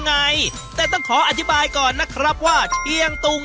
ไงแต่ต้องขออธิบายก่อนนะครับว่าเชียงตุง